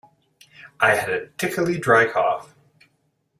I have a tickily dry cough.